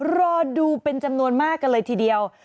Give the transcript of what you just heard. รอดูเป็นจำนวนมากกันเลยทีเดียว